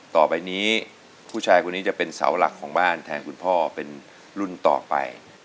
ต่อไปนี้ผู้ชายคนนี้จะเป็นเสาหลักของบ้านแทนคุณพ่อเป็นรุ่นต่อไป